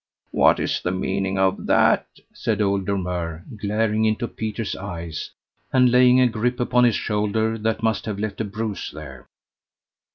"What is the meaning of that?" said old Dormeur, glaring into Peter's eyes, and laying a grip upon his shoulder that must have left a bruise there.